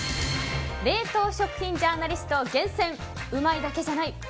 冷凍食品ジャーナリスト厳選うまいだけじゃない！